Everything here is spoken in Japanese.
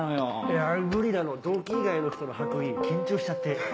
いや無理なの同期以外の人の白衣緊張しちゃって。